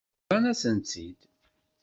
Bḍan-asen-tt-id.